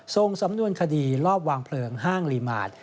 ส่งสำนวนคดีลอบวางเพลิงห้างลีมาร์ท